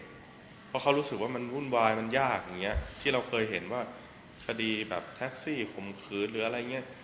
เพราะเขารู้สึกว่ามันวุ่นวายมันยากอย่างนี้ที่เราเคยเห็นว่าคดีแบบแท็กซี่ข่มขืนหรืออะไรอย่างนี้